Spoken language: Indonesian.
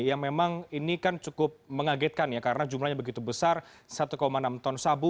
yang memang ini kan cukup mengagetkan ya karena jumlahnya begitu besar satu enam ton sabu